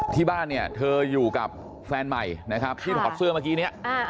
ที่บ้านเธออยู่กับแฟนใหม่ที่ถอดเสื้อเมื่อกี้นี้